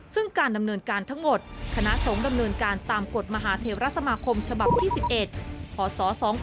ซึ่งการดำเนินการทั้งหมดคณะสงฆ์ดำเนินการตามกฎมหาเทราสมาคมฉบับที่๑๑พศ๒๕๖